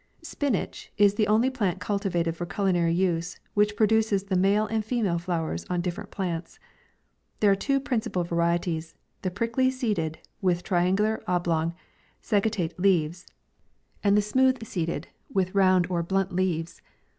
SPINACH is the only plant cultivated for culinary use, which produces the male and female flowers on different plants. There are two principal varieties, the prickly seeded, with triangular, oblong, sagittate leaves, and the smooth MAY. 97 seeded, with round or blunt leaves.